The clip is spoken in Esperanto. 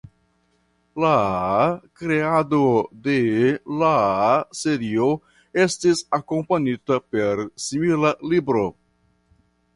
La kreado de la serio estis akompanita per simila libro.